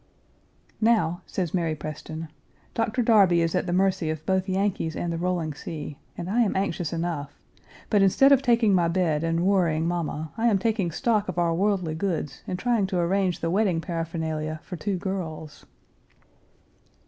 "Now," says Mary Preston, "Doctor Darby is at the mercy of both Yankees and the rolling sea, and I am anxious enough; but, instead of taking my bed and worrying mamma, I am taking stock of our worldly goods and trying to arrange the wedding paraphernalia for two girls."